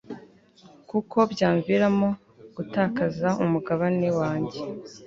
kuko byamviramo gutakaza umugabane wanjye